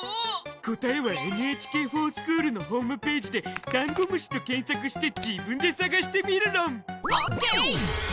答えは「ＮＨＫｆｏｒＳｃｈｏｏｌ」のホームぺージでダンゴムシと検索して自分で探してみるろん！ＯＫ！